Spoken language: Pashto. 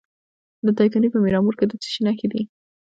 د دایکنډي په میرامور کې د څه شي نښې دي؟